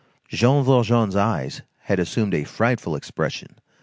Jean Valjean's eyes had assumed a frightful expression.